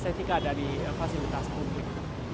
nilai estetika dari fasilitas publik